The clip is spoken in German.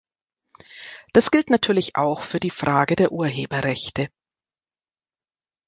Das gilt natürlich auch für die Frage der Urheberrechte.